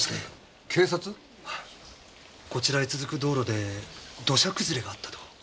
こちらへ続く道路で土砂崩れがあったと。